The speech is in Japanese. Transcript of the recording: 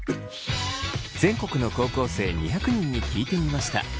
全国の高校生２００人に聞いてみました。